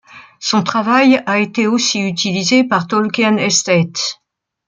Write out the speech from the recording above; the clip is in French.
Son travail a été aussi utilisé par Tolkien Estate.